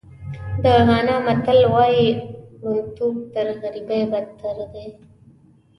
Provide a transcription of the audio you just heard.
د غانا متل وایي ړوندتوب تر غریبۍ بدتر دی.